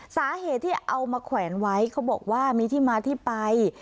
สาเหตุที่เอามาแขวนไว้เขาบอกว่ามีที่มาที่ไป